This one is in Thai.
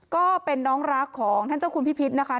ก็เป็นน้องรักของท่านเจ้าคุณพิพิษนะคะ